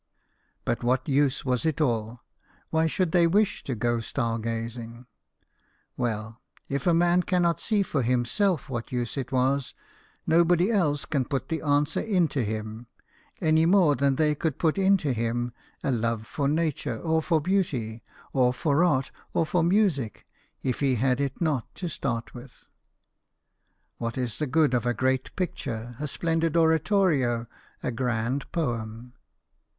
But what use was it all ? Why should they wish to go star gazing ? Well, if a man cannot see for himself what use it was, nobody else i io BIOGRAPHIES OF WORKING MEN. can put the answer into him, any more than they could put into him a love for nature, or for beauty, or for art, or for music, if he had it not to start with. What is the good of a great picture, a splendid oratorio, a grand poem